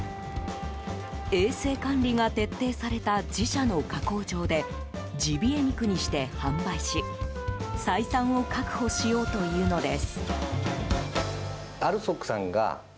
衛生管理が徹底された自社の加工場でジビエ肉にして販売し採算を確保しようというのです。